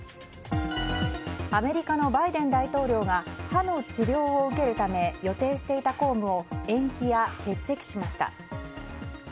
アメリカのバイデン大統領が歯の治療を受けるため予定していた公務を延期や欠席しました。